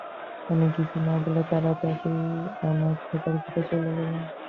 আমি কিছু না বলে তাড়াতাড়ি আমার শোবার ঘরে চলে গেলুম।